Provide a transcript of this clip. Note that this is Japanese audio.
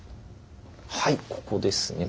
はいここですね